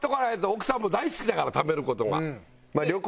奥さんも大好きだから食べる事が。